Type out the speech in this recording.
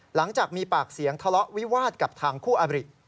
หลังจากมีปากเสียงทะเลาะวิวาสกับทางคู่อบริ